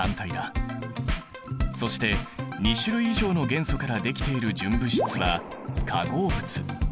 そして２種類以上の元素からできている純物質は化合物。